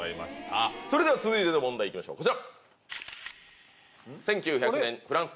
続いての問題いきましょうこちら。